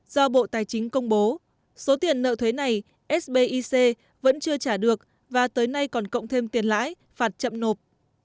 do bộ tài chính công bố số tiền nợ thuế này sbic vẫn chưa trả được và tới nay còn cộng thêm tiền lãi phạt chậm nộp